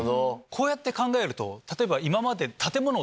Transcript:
こうやって考えると例えば今まで。